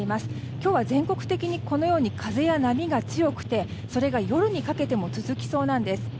今日は全国的に風や波が強くてそれが夜にかけても続きそうなんです。